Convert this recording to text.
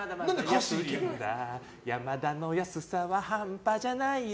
ヤマダの安さは半端じゃないよ